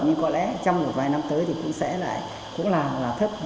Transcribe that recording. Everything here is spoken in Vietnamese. nhưng có lẽ trong một vài năm tới thì cũng sẽ lại cũng làm là thấp